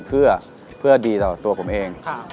เพื่อดีต่อตัวผมเอง